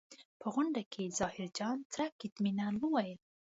په غونډه کې ظاهرجان څرک اطمنان وویل.